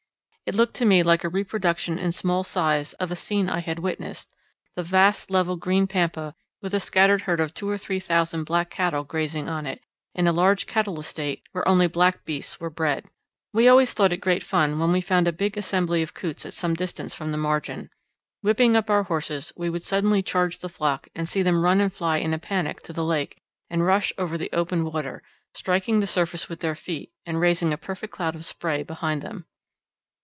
It looked to me like a reproduction in small size of a scene I had witnessed the vast level green pampa with a scattered herd of two or three thousand black cattle grazing on it, on a large cattle estate where only black beasts were bred. We always thought it great fun when we found a big assembly of coots at some distance from the margin. Whipping up our horses, we would suddenly charge the flock to see them run and fly in a panic to the lake and rush over the open water, striking the surface with their feet and raising a perfect cloud of spray behind them.